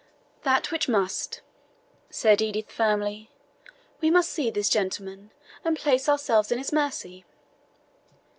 "That which must," said Edith firmly. "We must see this gentleman and place ourselves in his mercy."